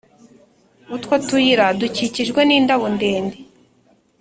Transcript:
Utwo tuyira dukikijwe n’indabo ndende